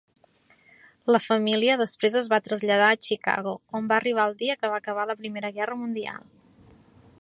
La família després es va traslladar a Chicago, on va arribar el dia que va acabar la Primera Guerra Mundial.